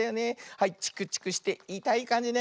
はいチクチクしていたいかんじね。